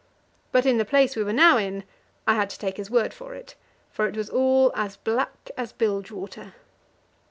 But in the place we were now in, I had to take his word for it, for it was all as black as bilge water.